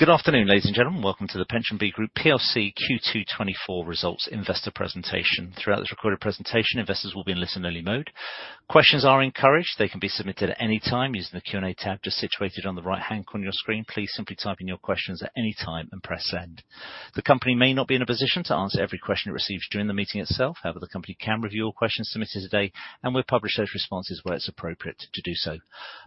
Good afternoon, ladies and gentlemen. Welcome to the PensionBee Group PLC Q2 2024 results investor presentation. Throughout this recorded presentation, investors will be in listen-only mode. Questions are encouraged. They can be submitted at any time using the Q&A tab just situated on the right-hand corner of your screen. Please simply type in your questions at any time and press send. The company may not be in a position to answer every question it receives during the meeting itself. However, the company can review all questions submitted today, and we'll publish those responses where it's appropriate to do so.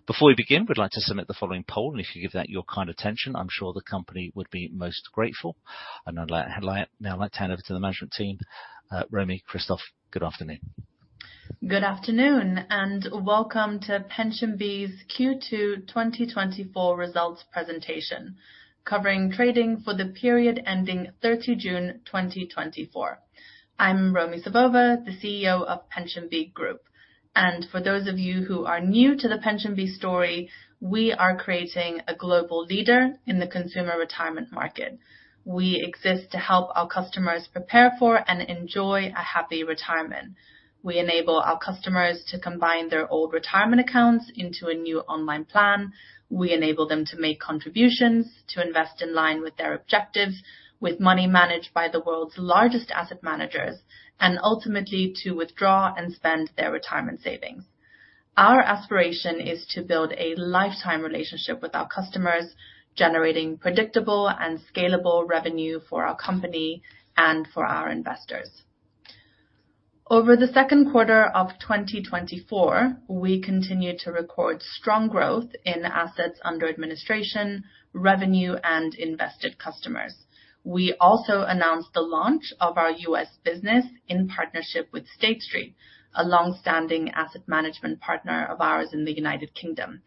Before we begin, we'd like to submit the following poll, and if you give that your kind attention, I'm sure the company would be most grateful. And I'd like to hand over to the management team. Romy, Christoph, good afternoon. Good afternoon, and welcome to PensionBee's Q2 2024 results presentation, covering trading for the period ending June 30th, 2024. I'm Romy Savova, the CEO of PensionBee Group. For those of you who are new to the PensionBee story, we are creating a global leader in the consumer retirement market. We exist to help our customers prepare for and enjoy a happy retirement. We enable our customers to combine their old retirement accounts into a new online plan. We enable them to make contributions, to invest in line with their objectives, with money managed by the world's largest asset managers, and ultimately to withdraw and spend their retirement savings. Our aspiration is to build a lifetime relationship with our customers, generating predictable and scalable revenue for our company and for our investors. Over the second quarter of 2024, we continued to record strong growth in assets under administration, revenue, and invested customers. We also announced the launch of our U.S. business in partnership with State Street, a long-standing asset management partner of ours in the United Kingdom.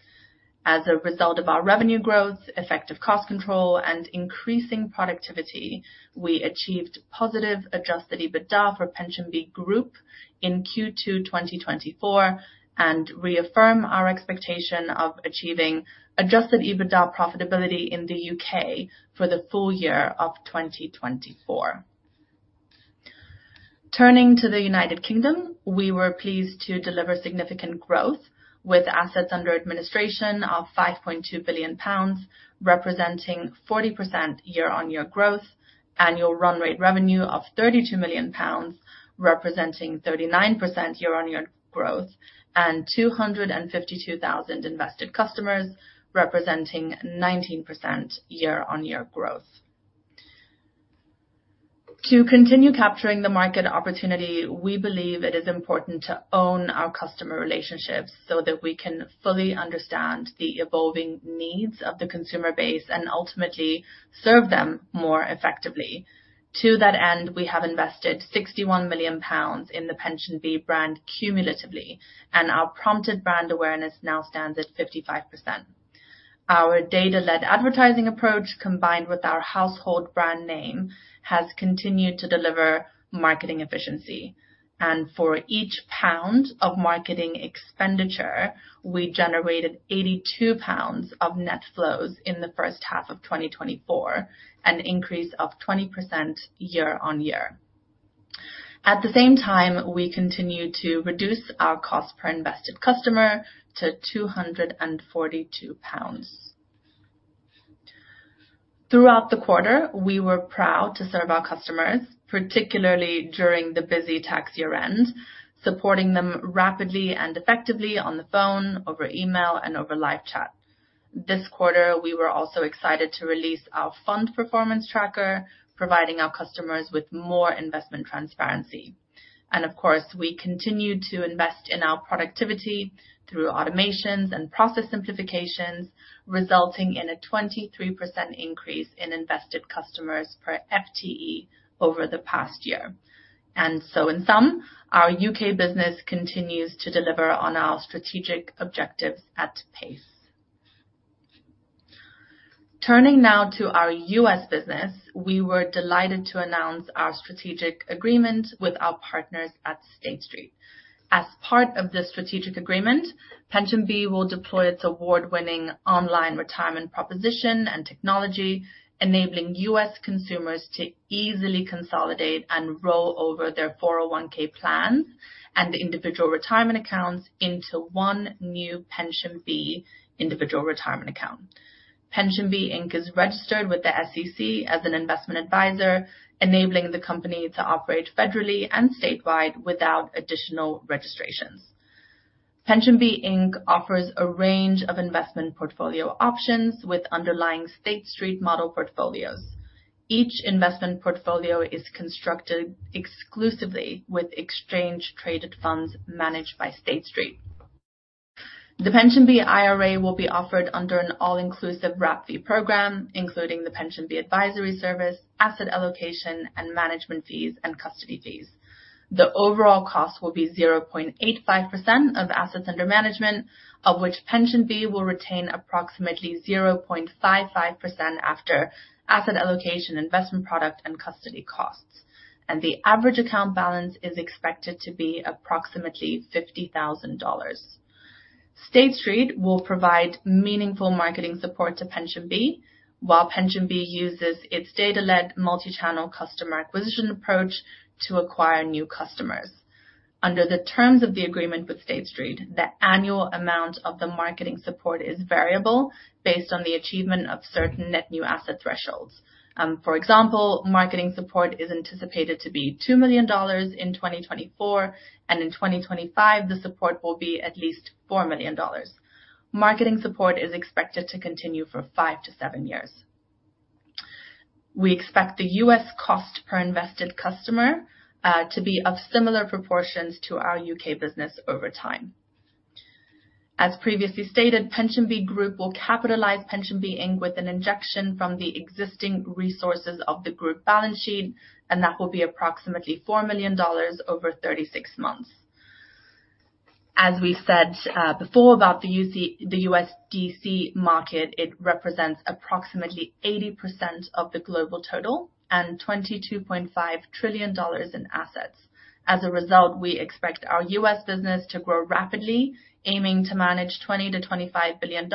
As a result of our revenue growth, effective cost control, and increasing productivity, we achieved positive adjusted EBITDA for PensionBee Group in Q2 2024, and reaffirm our expectation of achieving adjusted EBITDA profitability in the U.K. for the full year of 2024. Turning to the United Kingdom, we were pleased to deliver significant growth with assets under administration of 5.2 billion pounds, representing 40% year-on-year growth, annual run rate revenue of 32 million pounds, representing 39% year-on-year growth, and 252,000 invested customers, representing 19% year-on-year growth. To continue capturing the market opportunity, we believe it is important to own our customer relationships so that we can fully understand the evolving needs of the consumer base and ultimately serve them more effectively. To that end, we have invested 61 million pounds in the PensionBee brand cumulatively, and our prompted brand awareness now stands at 55%. Our data-led advertising approach, combined with our household brand name, has continued to deliver marketing efficiency. And for each pound of marketing expenditure, we generated 82 pounds of net flows in the first half of 2024, an increase of 20% year-on-year. At the same time, we continued to reduce our cost per invested customer to 242 pounds. Throughout the quarter, we were proud to serve our customers, particularly during the busy tax year end, supporting them rapidly and effectively on the phone, over email, and over live chat. This quarter, we were also excited to release our fund performance tracker, providing our customers with more investment transparency. And of course, we continued to invest in our productivity through automations and process simplifications, resulting in a 23% increase in invested customers per FTE over the past year. So in sum, our U.K. business continues to deliver on our strategic objectives at pace. Turning now to our U.S. business, we were delighted to announce our strategic agreement with our partners at State Street. As part of this strategic agreement, PensionBee will deploy its award-winning online retirement proposition and technology, enabling U.S. consumers to easily consolidate and roll over their 401(k) plans and individual retirement accounts into one new PensionBee individual retirement account. PensionBee Inc. is registered with the SEC as an investment adviser, enabling the company to operate federally and statewide without additional registrations. PensionBee Inc. offers a range of investment portfolio options with underlying State Street model portfolios. Each investment portfolio is constructed exclusively with exchange-traded funds managed by State Street. The PensionBee IRA will be offered under an all-inclusive wrap fee program, including the PensionBee advisory service, asset allocation and management fees, and custody fees. The overall cost will be 0.85% of assets under management, of which PensionBee will retain approximately 0.55% after asset allocation, investment product, and custody costs. The average account balance is expected to be approximately $50,000. State Street will provide meaningful marketing support to PensionBee, while PensionBee uses its data-led, multi-channel customer acquisition approach to acquire new customers. Under the terms of the agreement with State Street, the annual amount of the marketing support is variable, based on the achievement of certain net new asset thresholds. For example, marketing support is anticipated to be $2 million in 2024, and in 2025, the support will be at least $4 million. Marketing support is expected to continue for five-seven years. We expect the U.S. cost per invested customer to be of similar proportions to our U.K. business over time. As previously stated, PensionBee Group will capitalize PensionBee Inc. with an injection from the existing resources of the group balance sheet, and that will be approximately $4 million over 36 months. As we said, before, about the U.S. DC market, it represents approximately 80% of the global total and $22.5 trillion in assets. As a result, we expect our U.S. business to grow rapidly, aiming to manage $20 billion-$25 billion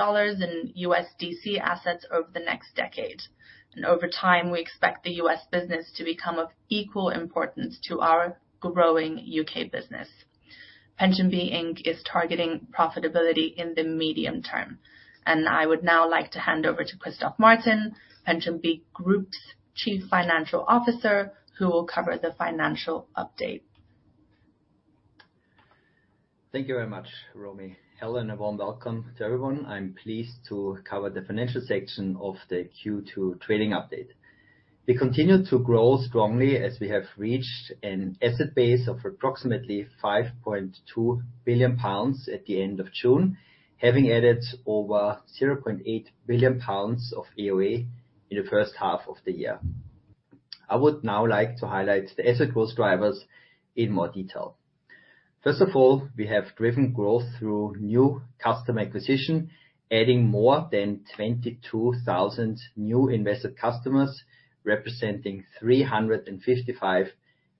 in U.S. DC assets over the next decade. And over time, we expect the U.S. business to become of equal importance to our growing U.K. business. PensionBee Inc. is targeting profitability in the medium term. And I would now like to hand over to Christoph Martin, PensionBee Group's Chief Financial Officer, who will cover the financial update. Thank you very much, Romy. Hello, and a warm welcome to everyone. I'm pleased to cover the financial section of the Q2 trading update. We continue to grow strongly as we have reached an asset base of approximately 5.2 billion pounds at the end of June, having added over 0.8 billion pounds of AUA in the first half of the year. I would now like to highlight the asset growth drivers in more detail. First of all, we have driven growth through new customer acquisition, adding more than 22,000 new invested customers, representing 355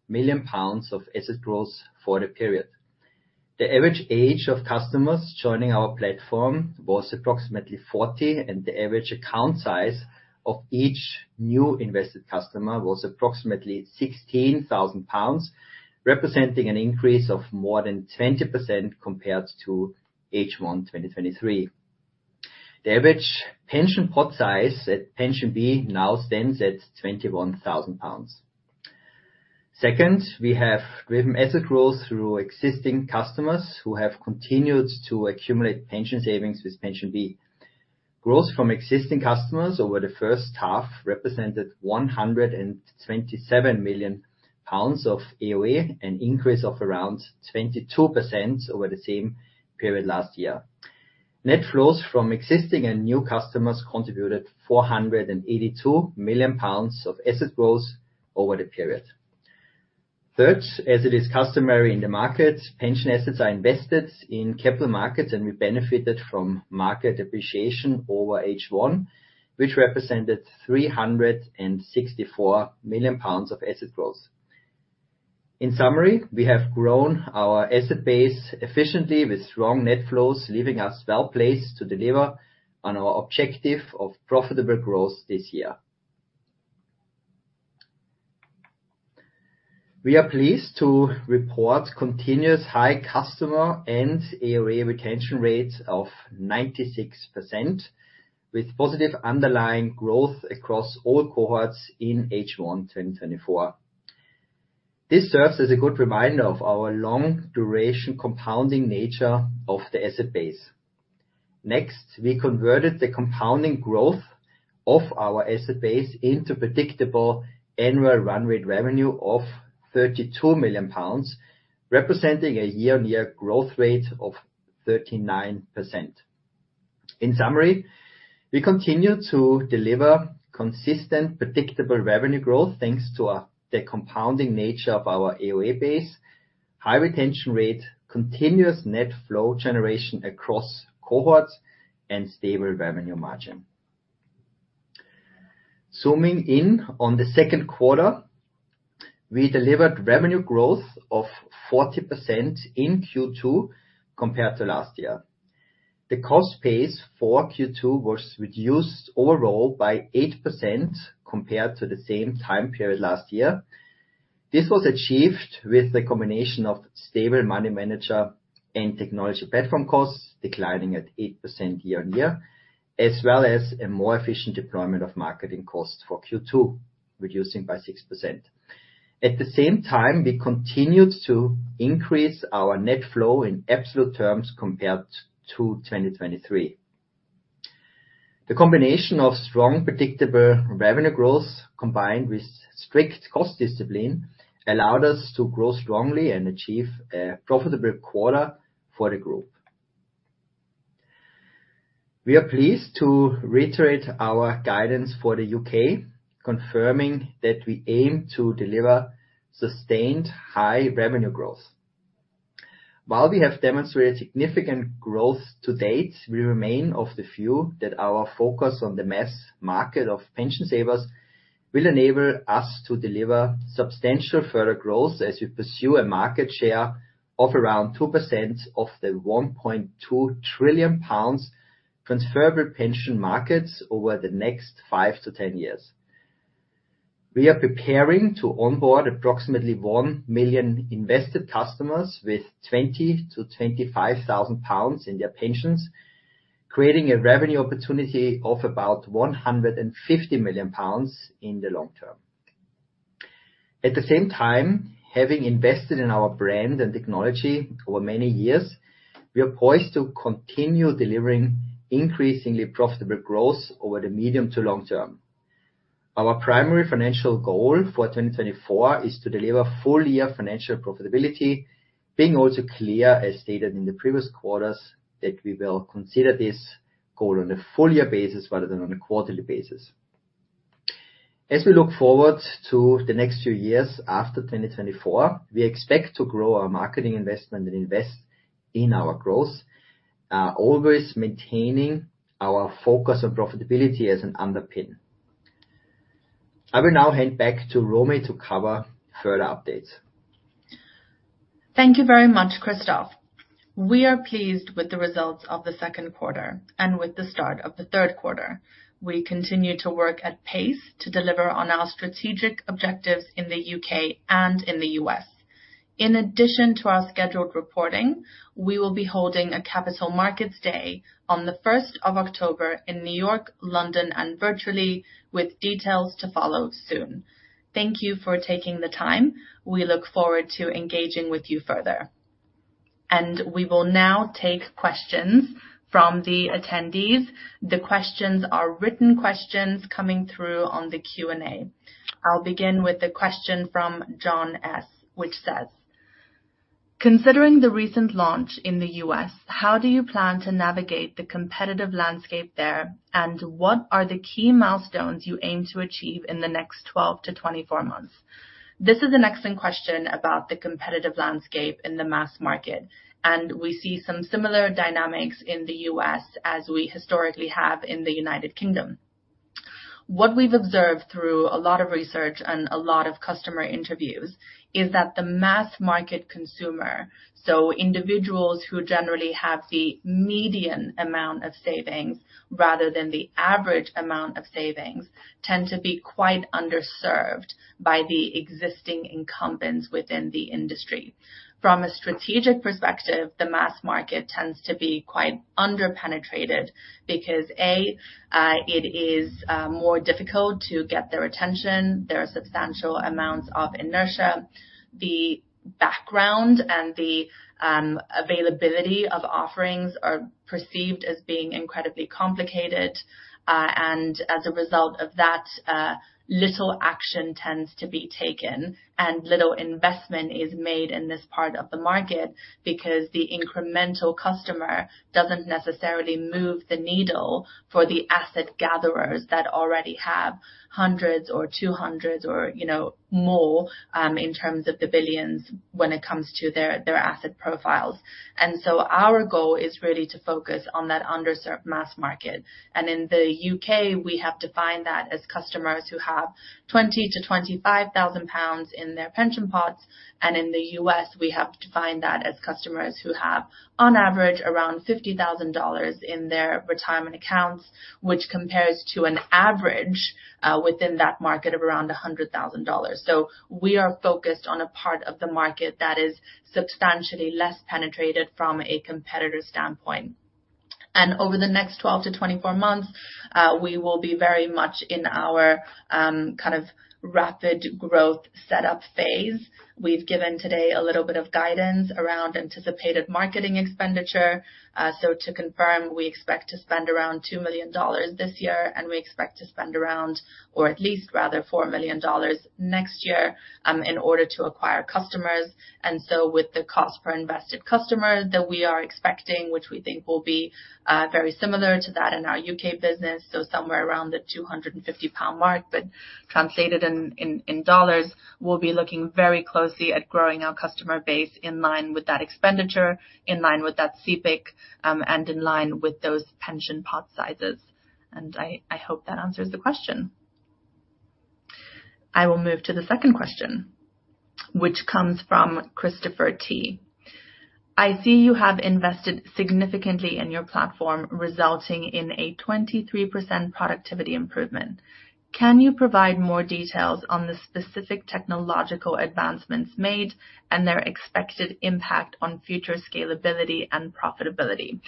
million pounds of asset growth for the period. The average age of customers joining our platform was approximately 40, and the average account size of each new invested customer was approximately 16,000 pounds, representing an increase of more than 20% compared to H1 2023. The average pension pot size at PensionBee now stands at 21,000 pounds. Second, we have driven asset growth through existing customers who have continued to accumulate pension savings with PensionBee. Growth from existing customers over the first half represented 127 million pounds of AUA, an increase of around 22% over the same period last year. Net flows from existing and new customers contributed 482 million pounds of asset growth over the period. Third, as it is customary in the market, pension assets are invested in capital markets, and we benefited from market appreciation over H1, which represented 364 million pounds of asset growth. In summary, we have grown our asset base efficiently with strong net flows, leaving us well placed to deliver on our objective of profitable growth this year. We are pleased to report continuous high customer and AUA retention rates of 96%, with positive underlying growth across all cohorts in H1 2024. This serves as a good reminder of our long duration compounding nature of the asset base. Next, we converted the compounding growth of our asset base into predictable annual run rate revenue of 32 million pounds, representing a year-on-year growth rate of 39%. In summary, we continue to deliver consistent, predictable revenue growth, thanks to the compounding nature of our AUA base, high retention rate, continuous net flow generation across cohorts, and stable revenue margin. Zooming in on the second quarter, we delivered revenue growth of 40% in Q2 compared to last year. The cost base for Q2 was reduced overall by 8% compared to the same time period last year. This was achieved with a combination of stable money manager and technology platform costs, declining at 8% year-on-year, as well as a more efficient deployment of marketing costs for Q2, reducing by 6%. At the same time, we continued to increase our net flow in absolute terms compared to 2023. The combination of strong, predictable revenue growth, combined with strict cost discipline, allowed us to grow strongly and achieve a profitable quarter for the group. We are pleased to reiterate our guidance for the U.K., confirming that we aim to deliver sustained high revenue growth.... While we have demonstrated significant growth to date, we remain of the view that our focus on the mass market of pension savers will enable us to deliver substantial further growth as we pursue a market share of around 2% of the 1.2 trillion pounds transferable pension markets over the next five-10 years. We are preparing to onboard approximately 1 million invested customers with 20,000-25,000 pounds in their pensions, creating a revenue opportunity of about 150 million pounds in the long term. At the same time, having invested in our brand and technology over many years, we are poised to continue delivering increasingly profitable growth over the medium to long term. Our primary financial goal for 2024 is to deliver full year financial profitability, being also clear, as stated in the previous quarters, that we will consider this goal on a full year basis rather than on a quarterly basis. As we look forward to the next few years after 2024, we expect to grow our marketing investment and invest in our growth, always maintaining our focus on profitability as an underpin. I will now hand back to Romy to cover further updates. Thank you very much, Christoph. We are pleased with the results of the second quarter and with the start of the third quarter. We continue to work at pace to deliver on our strategic objectives in the U.K. and in the U.S. In addition to our scheduled reporting, we will be holding a Capital Markets Day on the October 1st in New York, London, and virtually with details to follow soon. Thank you for taking the time. We look forward to engaging with you further. We will now take questions from the attendees. The questions are written questions coming through on the Q&A. I'll begin with the question from John S, which says: "Considering the recent launch in the U.S., how do you plan to navigate the competitive landscape there? What are the key milestones you aim to achieve in the next 12-24 months? This is an excellent question about the competitive landscape in the mass market, and we see some similar dynamics in the U.S. as we historically have in the United Kingdom. What we've observed through a lot of research and a lot of customer interviews is that the mass market consumer, so individuals who generally have the median amount of savings rather than the average amount of savings, tend to be quite underserved by the existing incumbents within the industry. From a strategic perspective, the mass market tends to be quite under-penetrated because, A, it is, more difficult to get their attention. There are substantial amounts of inertia. The background and the availability of offerings are perceived as being incredibly complicated, and as a result of that, little action tends to be taken, and little investment is made in this part of the market, because the incremental customer doesn't necessarily move the needle for the asset gatherers that already have hundreds or two hundreds or, you know, more, in terms of the billions when it comes to their, their asset profiles. And so our goal is really to focus on that underserved mass market. And in the U.K., we have defined that as customers who haveGBP 20,000-GBP 25,000 in their pension pots, and in the U.S., we have defined that as customers who have, on average, around $50,000 in their retirement accounts, which compares to an average, within that market of around $100,000. So we are focused on a part of the market that is substantially less penetrated from a competitor standpoint. Over the next 12-24 months, we will be very much in our kind of rapid growth setup phase. We've given today a little bit of guidance around anticipated marketing expenditure. So to confirm, we expect to spend around $2 million this year, and we expect to spend around, or at least rather, $4 million next year, in order to acquire customers. With the cost per invested customer that we are expecting, which we think will be very similar to that in our U.K. business, so somewhere around the 250 pound mark, but translated in dollars, we'll be looking very closely at growing our customer base in line with that expenditure, in line with that CPIC, and in line with those pension pot sizes. I hope that answers the question. I will move to the second question, which comes from Christopher T: "I see you have invested significantly in your platform, resulting in a 23% productivity improvement. Can you provide more details on the specific technological advancements made and their expected impact on future scalability and profitability?"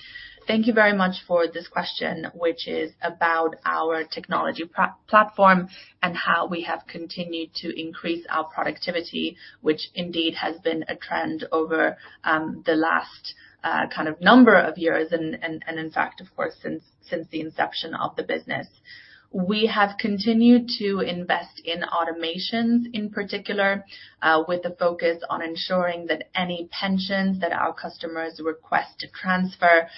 Thank you very much for this question, which is about our technology platform and how we have continued to increase our productivity, which indeed has been a trend over the last kind of number of years, and in fact, of course, since the inception of the business. We have continued to invest in automations, in particular, with a focus on ensuring that any pensions that our customers request to transfer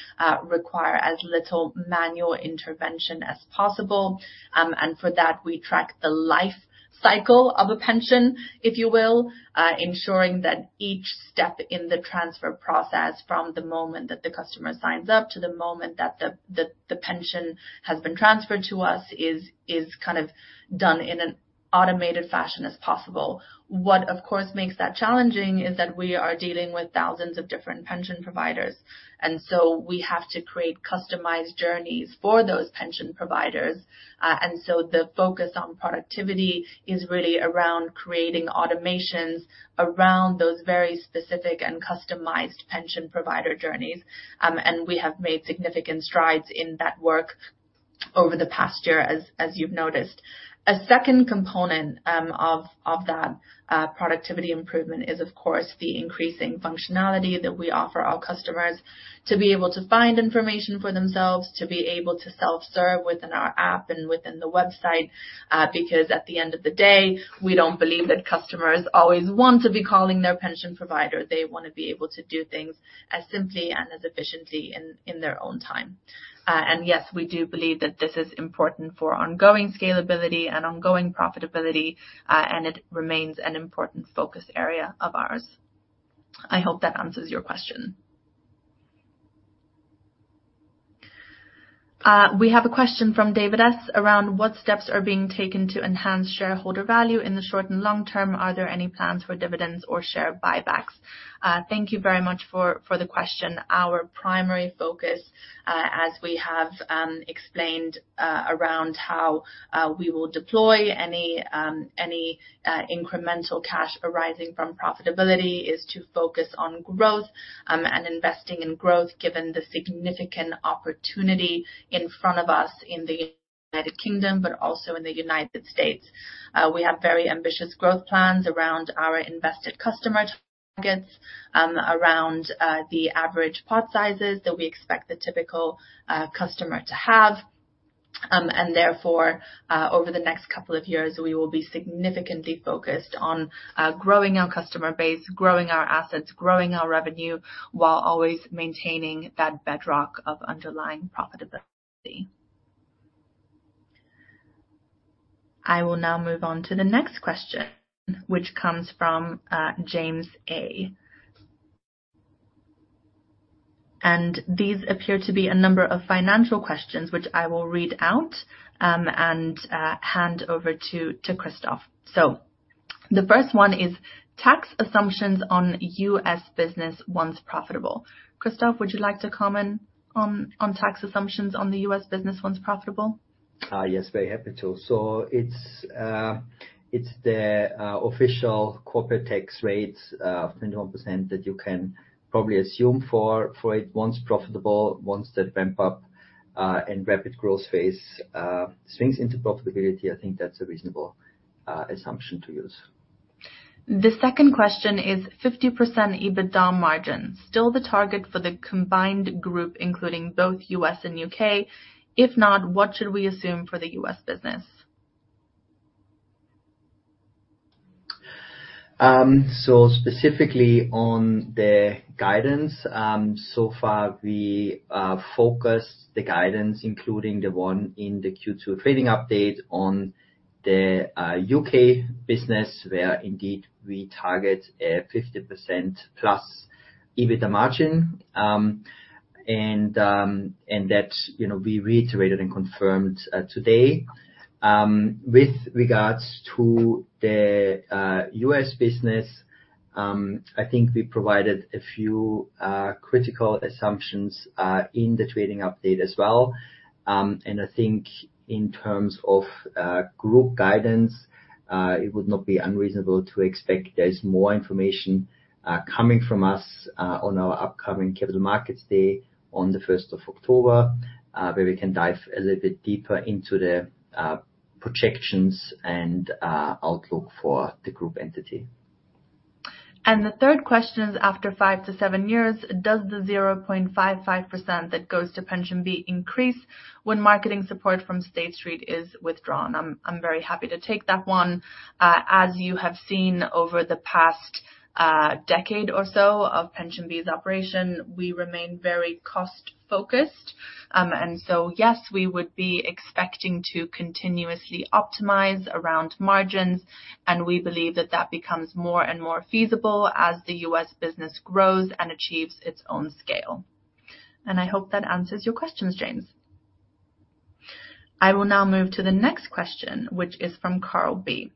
require as little manual intervention as possible. And for that, we track the life cycle of a pension, if you will, ensuring that each step in the transfer process from the moment that the customer signs up to the moment that the pension has been transferred to us is kind of done in an automated fashion as possible. What, of course, makes that challenging is that we are dealing with thousands of different pension providers, and so we have to create customized journeys for those pension providers. And so the focus on productivity is really around creating automations around those very specific and customized pension provider journeys. And we have made significant strides in that work over the past year, as you've noticed. A second component of that productivity improvement is, of course, the increasing functionality that we offer our customers to be able to find information for themselves, to be able to self-serve within our app and within the website. Because at the end of the day, we don't believe that customers always want to be calling their pension provider. They wanna be able to do things as simply and as efficiently in their own time. And yes, we do believe that this is important for ongoing scalability and ongoing profitability, and it remains an important focus area of ours. I hope that answers your question. We have a question from David S around: What steps are being taken to enhance shareholder value in the short and long term? Are there any plans for dividends or share buybacks? Thank you very much for the question. Our primary focus, as we have explained, around how we will deploy any incremental cash arising from profitability, is to focus on growth and investing in growth, given the significant opportunity in front of us in the United Kingdom, but also in the United States. We have very ambitious growth plans around our invested customer targets, around the average pot sizes that we expect the typical customer to have. And therefore, over the next couple of years, we will be significantly focused on growing our customer base, growing our assets, growing our revenue, while always maintaining that bedrock of underlying profitability. I will now move on to the next question, which comes from James A. These appear to be a number of financial questions, which I will read out and hand over to Christoph. The first one is tax assumptions on U.S. business once profitable. Christoph, would you like to comment on tax assumptions on the U.S. business once profitable? Yes, very happy to. So it's the official corporate tax rates, 21% that you can probably assume for it once profitable, once that ramp up and rapid growth phase swings into profitability. I think that's a reasonable assumption to use. The second question: is 50% EBITDA margin still the target for the combined group, including both U.S. and U.K.? If not, what should we assume for the U.S. business? So specifically on the guidance, so far we focused the guidance, including the one in the Q2 trading update on the U.K. business, where indeed we target a 50%+ EBITDA margin. And that, you know, we reiterated and confirmed today. With regards to the U.S. business, I think we provided a few critical assumptions in the trading update as well. And I think in terms of group guidance, it would not be unreasonable to expect there is more information coming from us on our upcoming Capital Markets Day on the October 1st, where we can dive a little bit deeper into the projections and outlook for the group entity. And the third question is: after 5-7 years, does the 0.55% that goes to PensionBee increase when marketing support from State Street is withdrawn? I'm very happy to take that one. As you have seen over the past decade or so of PensionBee's operation, we remain very cost focused. And so, yes, we would be expecting to continuously optimize around margins, and we believe that that becomes more and more feasible as the U.S. business grows and achieves its own scale. And I hope that answers your questions, James. I will now move to the next question, which is from Carl B.: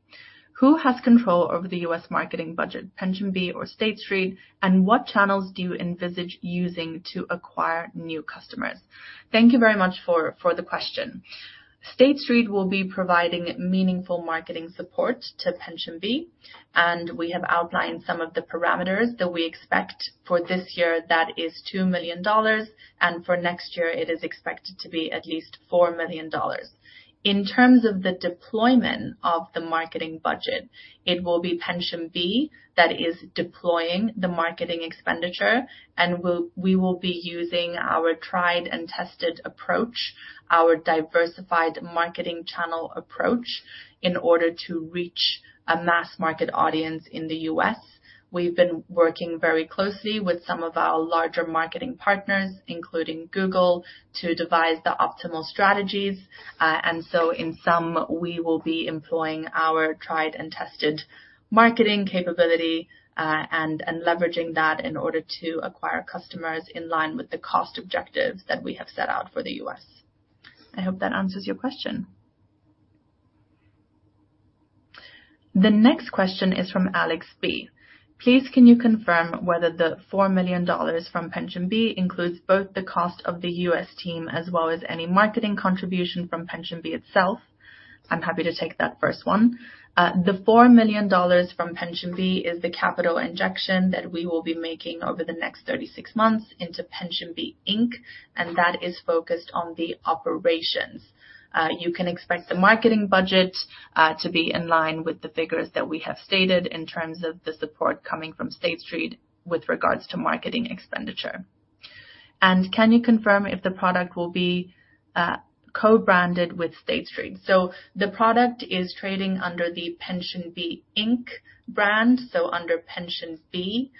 Who has control over the U.S. marketing budget, PensionBee or State Street? And what channels do you envisage using to acquire new customers? Thank you very much for the question. State Street will be providing meaningful marketing support to PensionBee, and we have outlined some of the parameters that we expect. For this year, that is $2 million, and for next year it is expected to be at least $4 million. In terms of the deployment of the marketing budget, it will be PensionBee that is deploying the marketing expenditure, and we will be using our tried and tested approach, our diversified marketing channel approach, in order to reach a mass market audience in the U.S. We've been working very closely with some of our larger marketing partners, including Google, to devise the optimal strategies. And so in sum, we will be employing our tried and tested marketing capability, and leveraging that in order to acquire customers in line with the cost objectives that we have set out for the U.S. I hope that answers your question. The next question is from Alex B. "Please, can you confirm whether the $4 million from PensionBee includes both the cost of the U.S. team as well as any marketing contribution from PensionBee itself?" I'm happy to take that first one. The $4 million from PensionBee is the capital injection that we will be making over the next 36 months into PensionBee Inc., and that is focused on the operations. You can expect the marketing budget to be in line with the figures that we have stated in terms of the support coming from State Street with regards to marketing expenditure. "And can you confirm if the product will be co-branded with State Street?" So the product is trading under the PensionBee Inc. brand, so under PensionBee.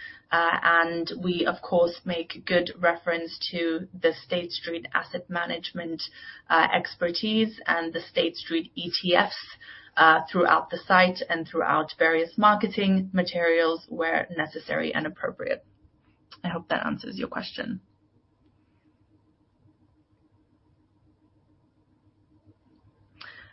We, of course, make good reference to the State Street asset management expertise and the State Street ETFs throughout the site and throughout various marketing materials where necessary and appropriate. I hope that answers your question.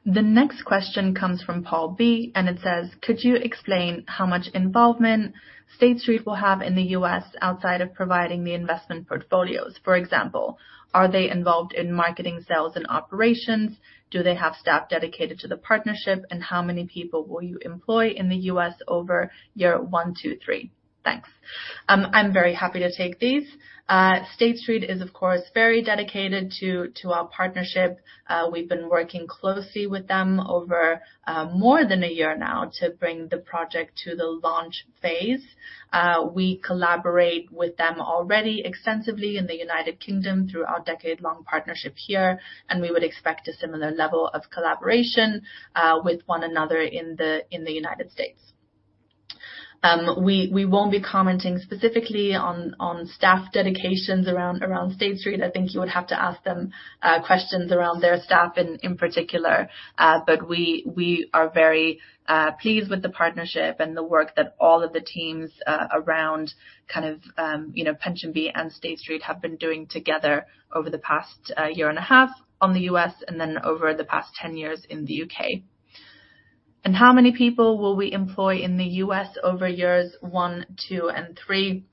The next question comes from Paul B., and it says: "Could you explain how much involvement State Street will have in the U.S. outside of providing the investment portfolios? For example, are they involved in marketing, sales, and operations? Do they have staff dedicated to the partnership? And how many people will you employ in the U.S. over year one, two, three? Thanks." I'm very happy to take these. State Street is, of course, very dedicated to our partnership. We've been working closely with them over more than a year now to bring the project to the launch phase. We collaborate with them already extensively in the United Kingdom through our decade-long partnership here, and we would expect a similar level of collaboration with one another in the U.S. We won't be commenting specifically on staff dedications around State Street. I think you would have to ask them questions around their staff in particular. But we are very pleased with the partnership and the work that all of the teams around, kind of, you know, PensionBee and State Street have been doing together over the past year and a half on the U.S., and then over the past 10 years in the U.K. How many people will we employ in the U.S. over years one, two, and three?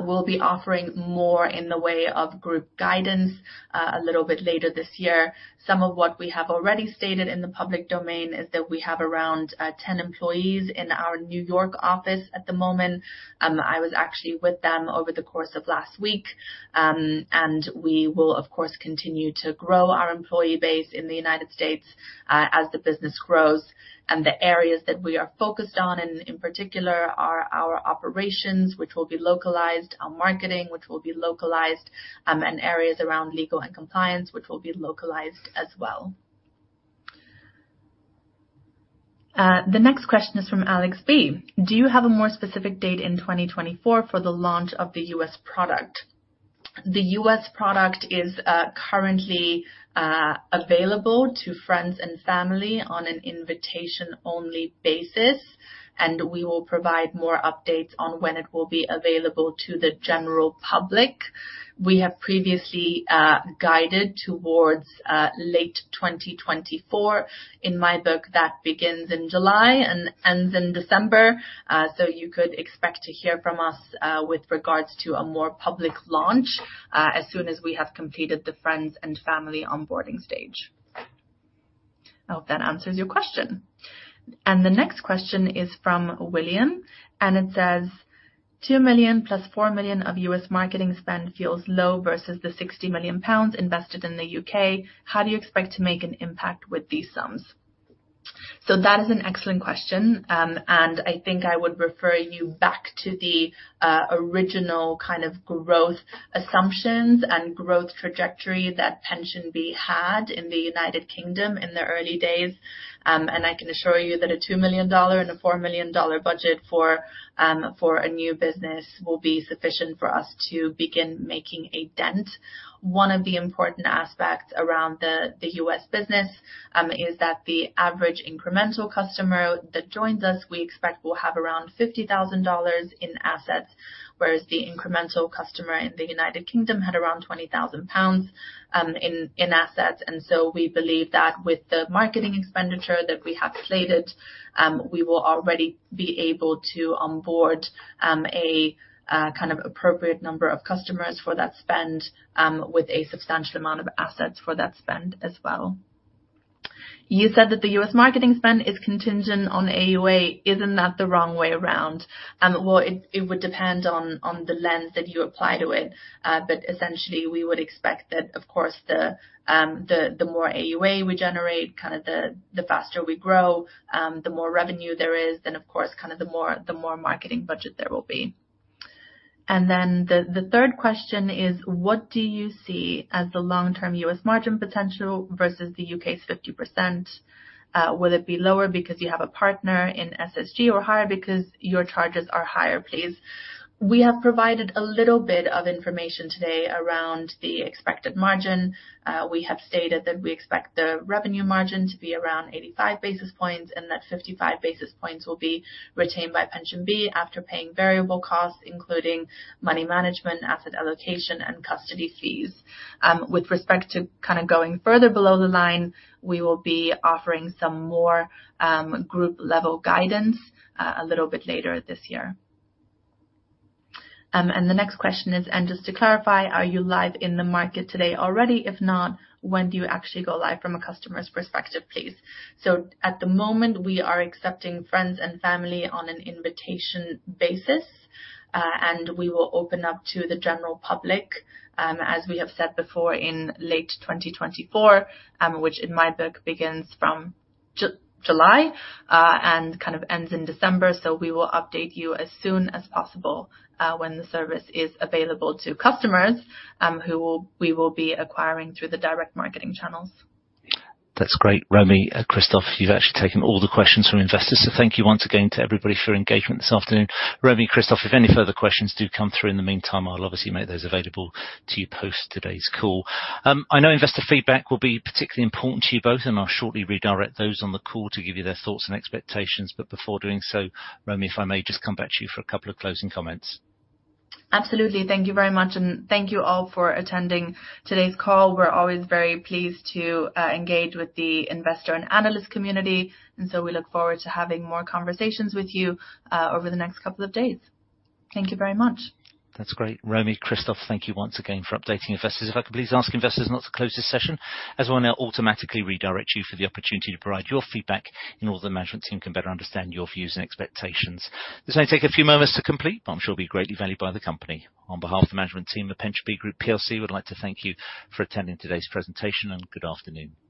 We'll be offering more in the way of group guidance, a little bit later this year. Some of what we have already stated in the public domain is that we have around 10 employees in our New York office at the moment. I was actually with them over the course of last week. And we will, of course, continue to grow our employee base in the United States, as the business grows. And the areas that we are focused on, and in particular, are our operations, which will be localized, our marketing, which will be localized, and areas around legal and compliance, which will be localized as well. The next question is from Alex B: "Do you have a more specific date in 2024 for the launch of the U.S. product?" The U.S. product is currently available to friends and family on an invitation-only basis, and we will provide more updates on when it will be available to the general public. We have previously guided towards late 2024. In my book, that begins in July and ends in December. So you could expect to hear from us with regards to a more public launch as soon as we have completed the friends and family onboarding stage. I hope that answers your question. And the next question is from William, and it says: "$2 million + $4 million of U.S. marketing spend feels low versus the 60 million pounds invested in the U.K. How do you expect to make an impact with these sums?" So that is an excellent question, and I think I would refer you back to the original kind of growth assumptions and growth trajectory that PensionBee had in the United Kingdom in the early days. And I can assure you that a $2 million and a $4 million budget for a new business will be sufficient for us to begin making a dent. One of the important aspects around the U.S. business is that the average incremental customer that joins us, we expect will have around $50,000 in assets, whereas the incremental customer in the United Kingdom had around 20,000 pounds in assets. And so we believe that with the marketing expenditure that we have slated, we will already be able to onboard a kind of appropriate number of customers for that spend, with a substantial amount of assets for that spend as well. "You said that the U.S. marketing spend is contingent on AUA. Isn't that the wrong way around?" Well, it would depend on the lens that you apply to it, but essentially, we would expect that, of course, the more AUA we generate, kind of the faster we grow, the more revenue there is, then, of course, kind of the more marketing budget there will be. The third question is: "What do you see as the long-term U.S. margin potential versus the U.K.'s 50%? Will it be lower because you have a partner in SSGA or higher because your charges are higher? Please. We have provided a little bit of information today around the expected margin. We have stated that we expect the revenue margin to be around 85 basis points, and that 55 basis points will be retained by PensionBee after paying variable costs, including money management, asset allocation, and custody fees. With respect to kind of going further below the line, we will be offering some more group-level guidance a little bit later this year. And the next question is: "And just to clarify, are you live in the market today already? If not, when do you actually go live from a customer's perspective, please?" So at the moment, we are accepting friends and family on an invitation basis, and we will open up to the general public, as we have said before, in late 2024, which in my book begins from July, and kind of ends in December. So we will update you as soon as possible, when the service is available to customers, who will... we will be acquiring through the direct marketing channels. That's great. Romy, Christoph, you've actually taken all the questions from investors. Thank you once again to everybody for your engagement this afternoon. Romy, Christoph, if any further questions do come through in the meantime, I'll obviously make those available to you post today's call. I know investor feedback will be particularly important to you both, and I'll shortly redirect those on the call to give you their thoughts and expectations. But before doing so, Romy, if I may just come back to you for a couple of closing comments. Absolutely. Thank you very much, and thank you all for attending today's call. We're always very pleased to engage with the investor and analyst community, and so we look forward to having more conversations with you over the next couple of days. Thank you very much. That's great. Romy, Christoph, thank you once again for updating investors. If I could please ask investors not to close this session, as I will now automatically redirect you for the opportunity to provide your feedback, in order that the management team can better understand your views and expectations. This may take a few moments to complete, but I'm sure it'll be greatly valued by the company. On behalf of the management team at PensionBee Group PLC, we'd like to thank you for attending today's presentation, and good afternoon to you all.